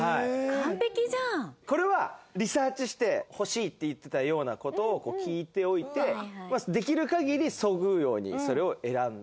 これはリサーチして欲しいって言ってたような事を聞いておいてできる限りそぐうようにそれを選んで。